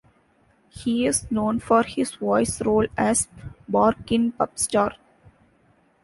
He is known for his voice role as Bark in "Pup Star".